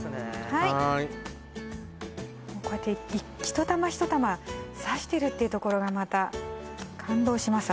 はいこうやって一玉一玉刺してるっていうところがまた感動します